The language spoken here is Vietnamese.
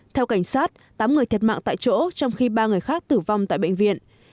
theo cảnh sát tám người thiệt mạng tại chỗ trong khi ba người khác tử vong tại bệnh viện